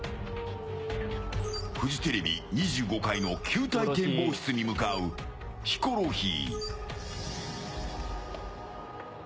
フジテレビ２５階の球体展望室に向かうヒコロヒー。